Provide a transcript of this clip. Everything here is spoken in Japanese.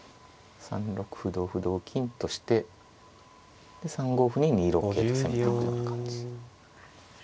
３六歩同歩同金としてで３五歩に２六桂と攻めていくような感じ。